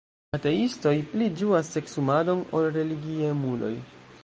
"Ateistoj pli ĝuas seksumadon ol religiemuloj."